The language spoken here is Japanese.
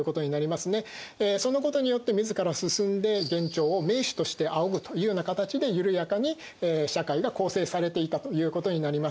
そのことによって自ら進んで元朝を盟主として仰ぐというような形でゆるやかに社会が構成されていたということになります。